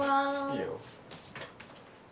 いいよ。